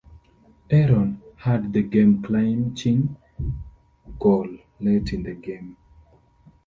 Aaron had the game clinching goal late in the game.